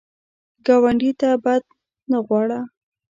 ګاونډي ته بد نه غواړه